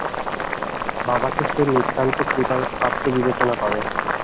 বাবাকে সে নিতান্ত কৃপার পাত্র বিবেচনা করে।